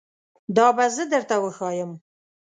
دا به زه درته وښایم